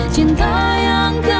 cinta itu yang menjaga kita